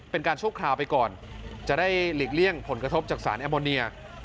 ชั่วคราวไปก่อนจะได้หลีกเลี่ยงผลกระทบจากสารแอมโมเนีย